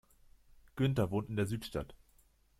Günther wohnt in der Südstadt.